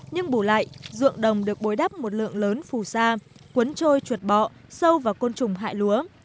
nhưng bù lại ruộng đồng được bối đắp một lượng lớn phù sa cuốn trôi chuột bọ sâu vào côn trùng hại lúa